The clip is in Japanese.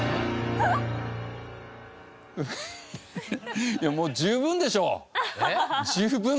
フフッいやもう十分でしょ！